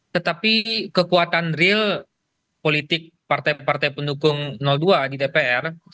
tetapi kekuatan real politik partai partai pendukung dua di dpr